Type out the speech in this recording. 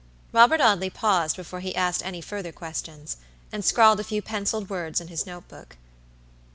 Robert Audley paused before he asked any further questions, and scrawled a few penciled words in his note book.